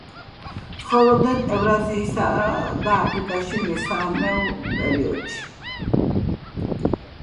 ცხოვრობდნენ ევრაზიისა და აფრიკაში მესამეულ პერიოდში.